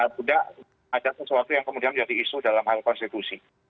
tidak ada sesuatu yang kemudian menjadi isu dalam hal konstitusi